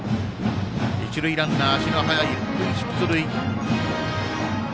一塁ランナー、足の速い福井が出塁。